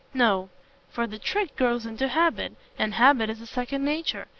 "No; for the trick grows into habit, and habit is a second nature.